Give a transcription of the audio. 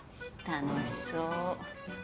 楽しそう。